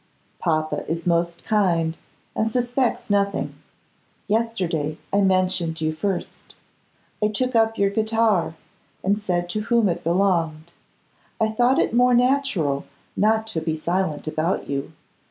Papa is most kind, and suspects nothing. Yesterday I mentioned you first. I took up your guitar, and said to whom it belonged. I thought it more natural not to be silent about you.